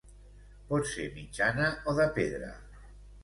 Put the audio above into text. Pot ser mitjana o de pedra.